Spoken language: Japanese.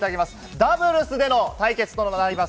ダブルスでの対決となります。